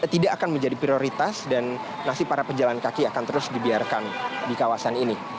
tidak akan menjadi prioritas dan nasib para pejalan kaki akan terus dibiarkan di kawasan ini